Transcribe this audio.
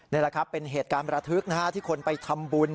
นี่แหละครับเป็นเหตุการณ์ประทึกที่คนไปทำบุญ